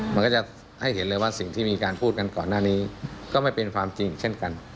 มันก็จะให้เห็นเลยว่าสิ่งที่มีการพูดกันก่อนหน้านี้ก็ไม่เป็นความจริงเช่นกัน